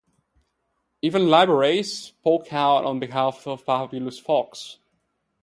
Even Liberace spoke out on behalf of the "Fabulous Fox".